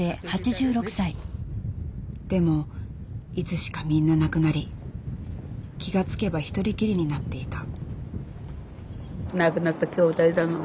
でもいつしかみんな亡くなり気が付けば一人きりになっていた。